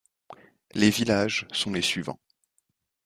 Les villages sont les suivants.